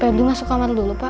pep gue masuk kamar dulu pak